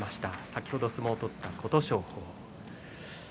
先ほど相撲を取った琴勝峰。